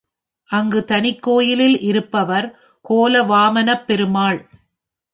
அங்கு தனிக் கோயிலில் இருப்பவர் கோல வாமனப் பெருமாள்.